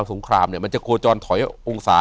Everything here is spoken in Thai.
อยู่ที่แม่ศรีวิรัยิลครับ